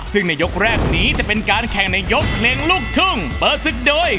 ซึ่งในยกแรกนี้จะเป็นการแข่งในยกเพลงลูกทุ่งเปิดศึกโดย